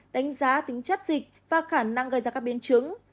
đánh giá tính chất dịch và khả năng gây ra các biến chứng